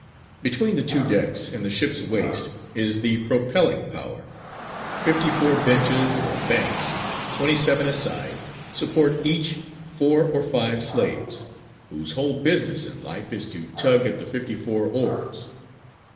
Between the two decks, in the ship's waist, is the propelling power: fifty four benches or banks, twenty seven a side, support each four or five slaves, whose whole business in life is to tug at the fifty four oars.